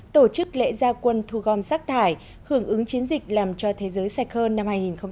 tổ chức lễ gia quân thu gom sắc thải hưởng ứng chiến dịch làm cho thế giới sạch hơn năm hai nghìn một mươi sáu